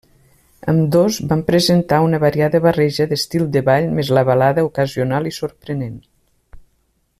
Ambdós van presentar una variada barreja d'estils de ball més la balada ocasional i sorprenent.